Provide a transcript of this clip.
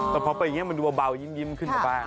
พอเป่อยังงี้มันดูว่าเบ่ายิ้มขึ้นออกไปบ้าง